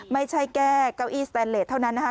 ไม่ใช่แค่เก้าอี้สแตนเลสเท่านั้นนะคะ